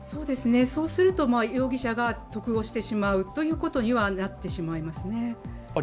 そうすると容疑者が得をすることにはなってしまいますね。